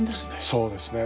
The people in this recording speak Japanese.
そうですね。